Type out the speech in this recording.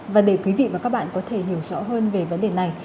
và để quý vị và các bạn có thể hiểu rõ hơn về vấn đề này